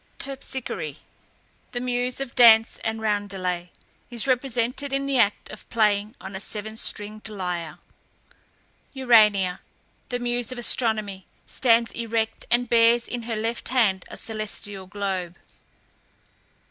TERPSICHORE, the muse of Dance and Roundelay, is represented in the act of playing on a seven stringed lyre. URANIA, the muse of Astronomy, stands erect, and bears in her left hand a celestial globe.